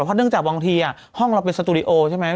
เพราะเนื่องจากบางทีห้องเราเป็นสตูดิโอใช่ไหม